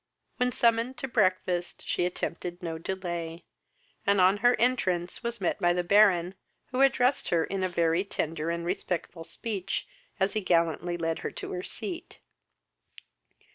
When summoned to breakfast she attempted no delay, and on her entrance was met by the Baron, who addressed her in a very tender and respectful speech, as he gallantly led her to her seat.